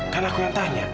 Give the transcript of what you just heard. kan aku yang tanya